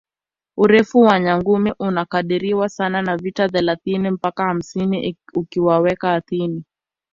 Urefu wa nyangumi unakadiriwa kuwa wa mita thelathini mpaka hamsini ukimuweka ardhini